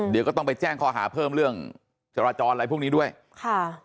เดี๋ยวก็ต้องไปแจ้งข้อหาเพิ่มเรื่องจราจรอะไรพวกนี้ด้วยค่ะ